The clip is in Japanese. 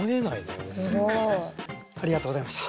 すごい。ありがとうございました。